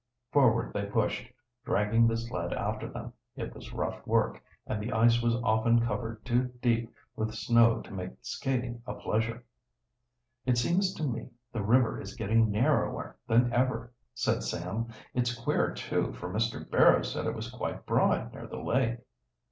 Forward they pushed, dragging the sled after them. It was rough work, and the ice was often covered too deep with snow to make skating a pleasure. "It seems to me the river is getting narrower than ever," said Sam. "It's queer, too, for Mr. Barrow said it was quite broad near the lake."